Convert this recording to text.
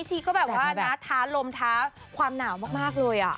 ชีก็แบบว่านะท้าลมท้าความหนาวมากเลย